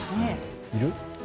いる？